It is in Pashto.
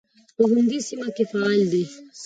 په همدې سیمه کې فعال دی.